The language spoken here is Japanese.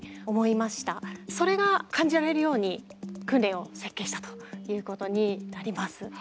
それが感じられるように訓練を設計したということになります。